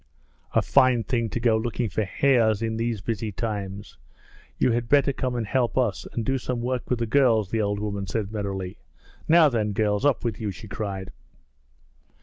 'A fine thing to go looking for hares in these busy times! You had better come and help us, and do some work with the girls,' the old woman said merrily. 'Now then, girls, up with you!' she cried.